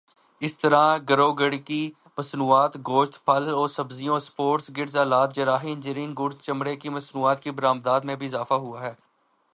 اسی طرح گڑ و گڑ کی مصنوعات گوشت پھل وسبزیوں اسپورٹس گڈز آلات جراحی انجینئرنگ گڈز چمڑے کی مصنوعات کی برآمدات میں بھی اضافہ ہوا